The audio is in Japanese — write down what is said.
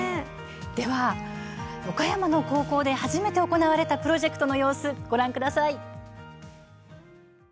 では、岡山の高校で初めて行われたプロジェクトの様子をご覧いただきましょう。